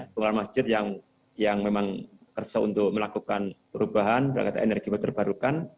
pengelola masjid yang memang kersau untuk melakukan perubahan berkait energi baru terbarukan